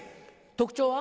特徴は？